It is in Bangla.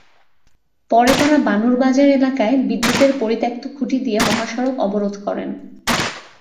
পরে তাঁরা বানুরবাজার এলাকায় বিদ্যুতের পরিত্যক্ত খুঁটি দিয়ে মহাসড়ক অবরোধ করেন।